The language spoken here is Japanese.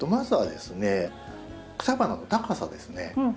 草花の高さですね。